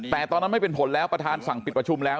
แต่ตอนนั้นไม่เป็นผลแล้วประธานสั่งปิดประชุมแล้ว